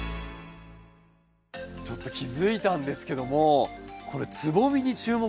ちょっと気付いたんですけどもつぼみに注目なんですよ。